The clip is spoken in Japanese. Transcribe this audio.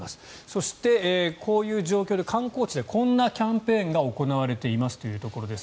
そしてこういう状況で観光地でこんなキャンペーンが行われていますというところです。